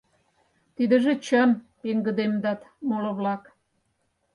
— Тидыже чын! — пеҥгыдемдат моло-влак.